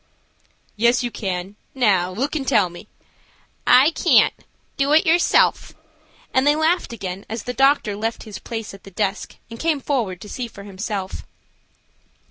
"Yes, you can. Now look and tell me." "I can't; do it yourself," and they laughed again as the doctor left his place at the desk and came forward to see for himself.